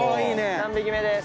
３匹目です。